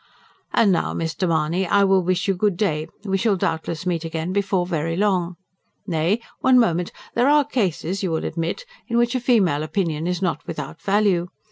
And now, Mr. Mahony, I will wish you good day; we shall doubtless meet again before very long. Nay, one moment! There are cases, you will admit, in which a female opinion is not without value.